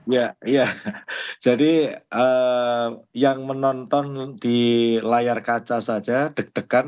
ya iya jadi yang menonton di layar kaca saja deg degan